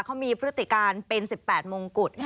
เขามีพฤติการเป็น๑๘มงกุฎ